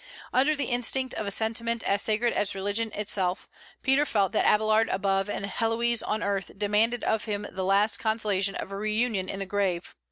"Under the instinct of a sentiment as sacred as religion itself, Peter felt that Abélard above and Héloïse on earth demanded of him the last consolation of a reunion in the grave.